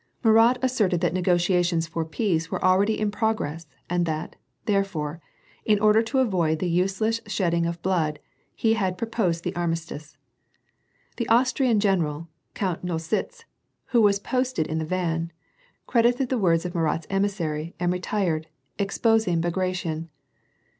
Murat asserted that negotiations for peace were already in progress, and that, therefore, in order to avoid the useless shedding of blood, he had proposed the armistice. The Aus trian general, Count Nostitz, who was posted in the van, cred ited the words of Alurat's emissaiy, and retired, exposing Bagration.